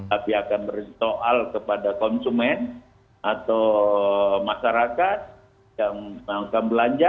tapi akan bersoal kepada konsumen atau masyarakat yang melakukan belanja